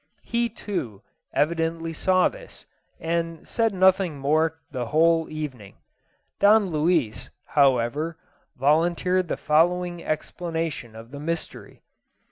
He, too, evidently saw this, and said nothing more the whole evening. Don Luis, however, volunteered the following explanation of the mystery.